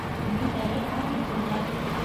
Мин әле каникулда